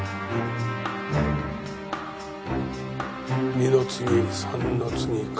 二の次三の次か。